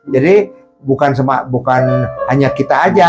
jadi bukan hanya kita aja